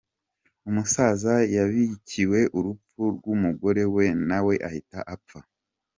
Umusaza yabikiwe urupfu rw’umugore we na we ahita apfa